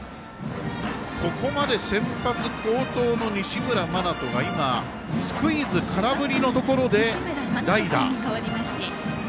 ここまで先発、好投の西村真人が今、スクイズ空振りのところで代打。